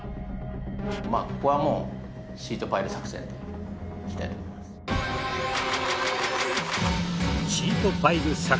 まあここはもうシートパイル作戦でいきたいと思います。